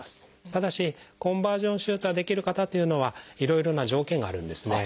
ただしコンバージョン手術ができる方というのはいろいろな条件があるんですね。